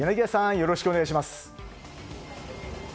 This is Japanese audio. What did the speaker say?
よろしくお願いします。